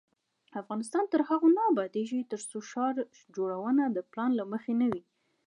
افغانستان تر هغو نه ابادیږي، ترڅو ښار جوړونه د پلان له مخې نه وي.